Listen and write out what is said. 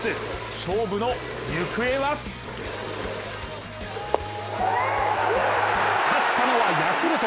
勝負の行方は勝ったのはヤクルト。